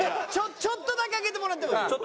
ちょっとだけ上げてもらってもいい？